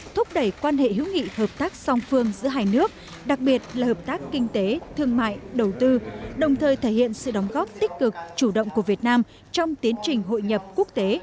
thúc đẩy quan hệ hữu nghị hợp tác song phương giữa hai nước đặc biệt là hợp tác kinh tế thương mại đầu tư đồng thời thể hiện sự đóng góp tích cực chủ động của việt nam trong tiến trình hội nhập quốc tế